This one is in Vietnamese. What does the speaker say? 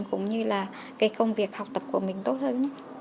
cũng như là cái công việc học tập của mình tốt hơn